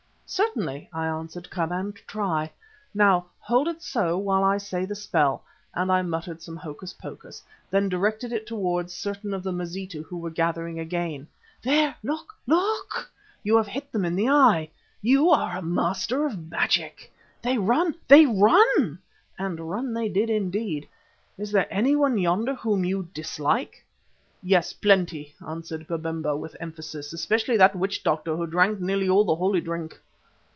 "Certainly," I answered, "come and try. Now, hold it so while I say the spell," and I muttered some hocus pocus, then directed it towards certain of the Mazitu who were gathering again. "There! Look! Look! You have hit them in the eye. You are a master of magic. They run, they run!" and run they did indeed. "Is there anyone yonder whom you dislike?" "Yes, plenty," answered Babemba with emphasis, "especially that witch doctor who drank nearly all the holy drink."